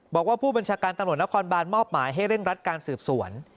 บอกว่าผู้บัญชาการตำรวจนครบานมอบหมายให้เร่งรัดการสืบสวน